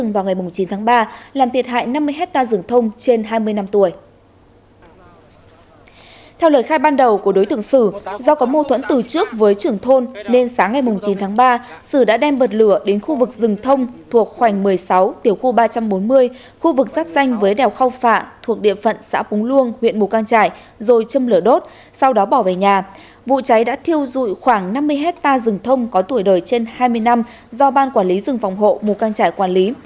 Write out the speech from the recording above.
vụ cháy đã thiêu dụi khoảng năm mươi hectare rừng thông có tuổi đời trên hai mươi năm do ban quản lý rừng phòng hộ mù căng trải quản lý